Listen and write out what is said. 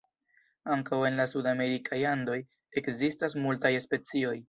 Ankaŭ en la sudamerikaj Andoj ekzistas multaj specioj.